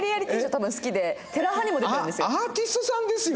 多分好きで『テラハ』にも出てたんですよ。